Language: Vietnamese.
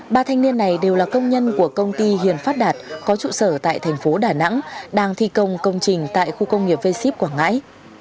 ba thanh niên này đều là công nhân của công ty hiền phát đạt có trụ sở tại thành phố đà nẵng đang thi công công trình tại khu công nghiệp v ship quảng ngãi